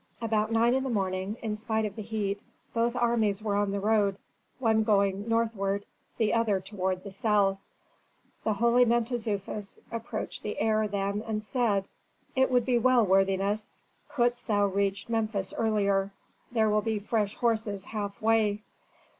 About nine in the morning, in spite of the heat, both armies were on the road; one going northward, the other toward the south. The holy Mentezufis approached the heir then, and said, "It would be well, worthiness, couldst thou reach Memphis earlier. There will be fresh horses half way."